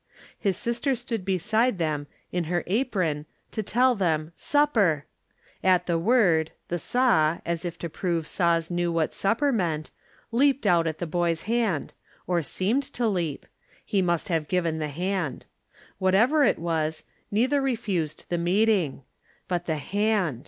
His sister stood beside them in her apron To tell them "Supper." At the word, the saw, As if to prove saws knew what supper meant, Leaped out at the boy's hand, or seemed to leap He must have given the hand. However it was, Neither refused the meeting. But the hand!